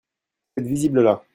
cette visible-là.